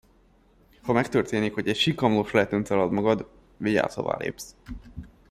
Ha megtörténik, hogy egy sikamlós lejtőn találod magad, vigyázz hová lépsz.